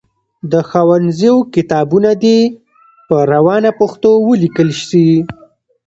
د ښوونځیو کتابونه دي په روانه پښتو ولیکل سي.